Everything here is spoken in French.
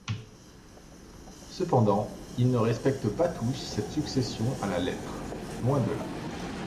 Cependant ils ne respectent pas tous cette succession à la lettre, loin de là.